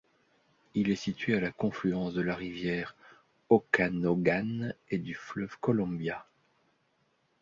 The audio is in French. Il est situé à la confluence de la rivière Okanogan et du fleuve Columbia.